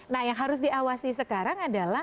nah yang harus diawasi sekarang adalah